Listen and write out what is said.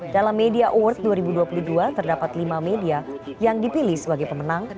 dalam media award dua ribu dua puluh dua terdapat lima media yang dipilih sebagai pemenang